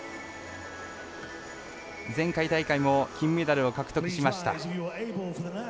前回大会も金メダルを獲得しました。